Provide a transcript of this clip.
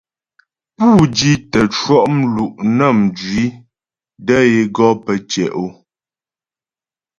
Pú di tə́ cwɔ' mlu' nə́ mjwi də é gɔ pə́ tyɛ' o.